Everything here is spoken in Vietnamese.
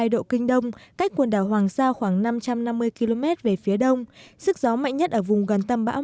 một trăm một mươi bảy hai độ kinh đông cách quần đảo hoàng sa khoảng năm trăm năm mươi km về phía đông sức gió mạnh nhất ở vùng gần tâm báo